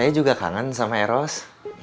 saya juga kangen sama eros